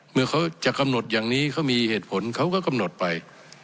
เมื่อเขาจะกำหนดอย่างนี้เขามีเหตุผลเขาก็กำหนดไป